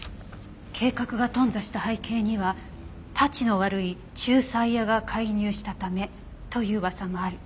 「“計画が頓挫した背景にはタチの悪い仲裁屋が介入したため”という噂もある」